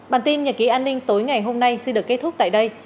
bản tin nhật ký an ninh tối ngày hôm nay xin được kết thúc tại đây